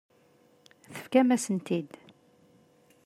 Tefkam-asent-tt-id.